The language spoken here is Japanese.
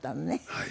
はい。